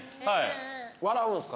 笑うんすか？